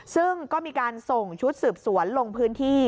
ซึ่งก็มีการส่งชุดสืบสวนลงพื้นที่